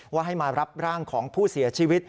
ว่าเคยได้รับรวมร่างภูเสียชีวิต